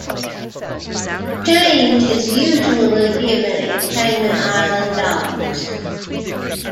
Change is usually given in Cayman Island dollars.